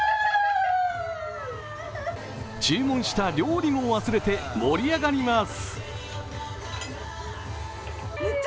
注文した料理も忘れて盛り上がります。